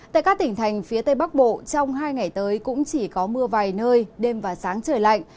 tại các tỉnh thành phía tây bắc bộ trong hai ngày tới cũng chỉ có mưa vài nơi đêm và sáng trời lạnh